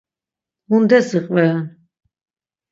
Mundes iqveren?